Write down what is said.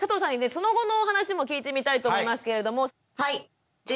その後のお話も聞いてみたいと思いますけれども。